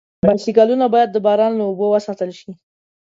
بایسکلونه باید د باران له اوبو وساتل شي.